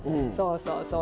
そうそう。